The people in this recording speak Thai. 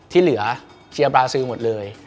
ที่เหลือเชียร์บราซิลหมดเลย